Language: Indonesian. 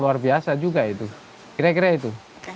luar biasa juga itu kira kira itu